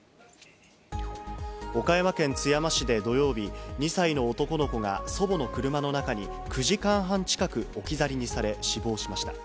岡山県津山市で土曜日、２歳の男の子が祖母の車の中に９時間半近く置き去りにされ、死亡しました。